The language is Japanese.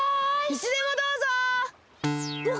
いつでもどうぞ！